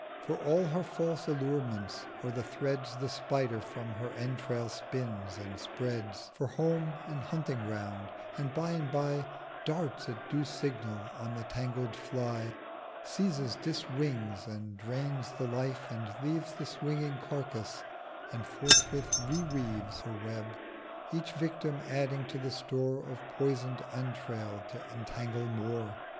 For all her false allurements are the Threads The Spider from her Entrail spins, and spreads For Home and hunting ground: And by and by Darts at due Signal on the tangled Fly, Seizes, dis wings, and drains the Life, and leaves 900 The swinging Carcase, and forthwith re weaves Her Web: each Victim adding to the store Of poison'd Entrail to entangle more.